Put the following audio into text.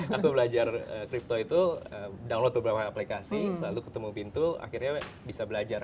aku belajar crypto itu download beberapa aplikasi lalu ketemu pintu akhirnya bisa belajar